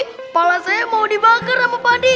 kepala saya mau dibakar sama padi